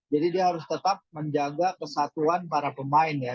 jadi dia harus tetap menjaga kesatuan para pemain ya